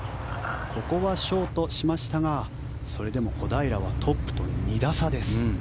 ここはショートしましたがそれでも小平はトップと２打差です。